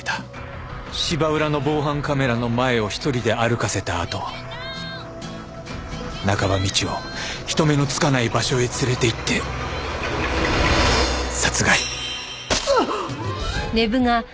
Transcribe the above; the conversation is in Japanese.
芝浦の防犯カメラの前を一人で歩かせたあと中葉美智を人目のつかない場所へ連れていって殺害。